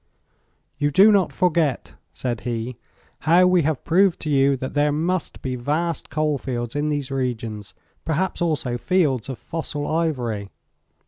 "You do not forget," said he, "how we have proved to you that there must be vast coal fields in these regions, perhaps also fields of fossil ivory.